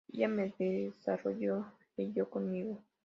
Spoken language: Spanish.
Ella me desarrolló, leyó conmigo.